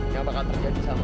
yang bakal terjadi sama aku